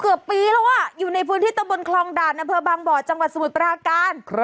เกือบปีแล้วอยู่ในพื้นที่ตะบนคลองด่านอำเภอบางบ่อจังหวัดสมุทรปราการ